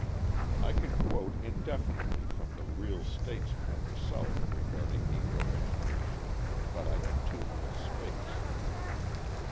I could quote indefinitely from the real statesmen of the South regarding Negro education, but I have too little space.